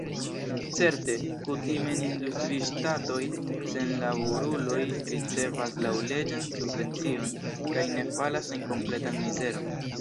Certe, kutime en industriŝtatoj senlaboruloj ricevas laŭleĝan subvencion kaj ne falas en kompletan mizeron.